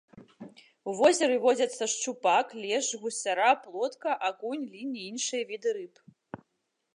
У возеры водзяцца шчупак, лешч, гусцяра, плотка, акунь, лінь і іншыя віды рыб.